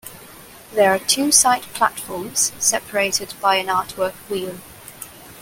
There are two side platforms, separated by an artwork wheel.